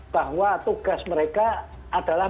bahwa tugas mereka adalah